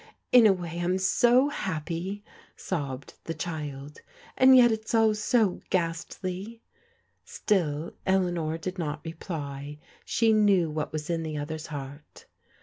In a way Fm so happy," sobbed the child, " and yet it's all so ghastly." Still Eleanor did not reply. She knew what was in the other's heart.